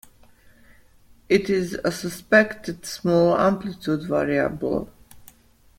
It is a suspected small amplitude variable.